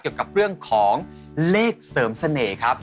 เกี่ยวกับเรื่องของเลขเสริมเสน่ห์ครับ